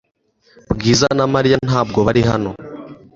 Bwiza na Mariya ntabwo bari hano .